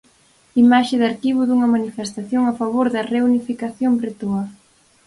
Imaxe de arquivo dunha manifestación a favor da reunificación bretoa.